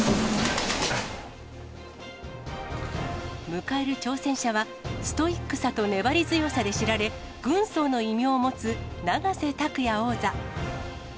迎える挑戦者は、ストイックさと粘り強さで知られ、軍曹の異名を持つ永瀬拓矢王座。